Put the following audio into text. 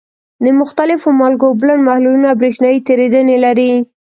د مختلفو مالګو اوبلن محلولونه برېښنا تیریدنې لري.